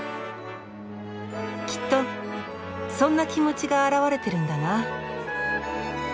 きっとそんな気持ちが表れてるんだな。